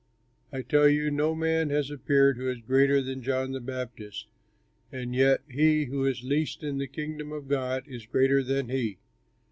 "I tell you, no man has appeared who is greater than John the Baptist; and yet he who is least in the Kingdom of God is greater than he.